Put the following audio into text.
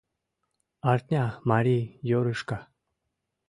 Артня марий - йорышка.